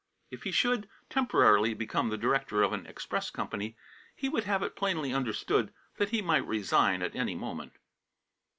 If he should, temporarily, become the director of an express company, he would have it plainly understood that he might resign at any moment.